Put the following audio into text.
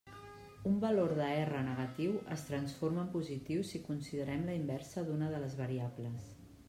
Un valor de R negatiu es transforma en positiu si considerem la inversa d'una de les variables.